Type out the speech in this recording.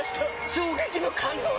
衝撃の感動作！